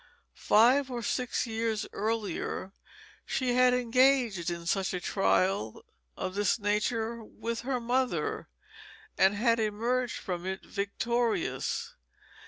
Five or six years earlier she had engaged in a trial of this nature with her mother, and had emerged from it victorious.